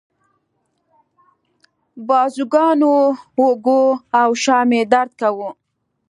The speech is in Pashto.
بازوګانو، اوږو او شا مې درد کاوه.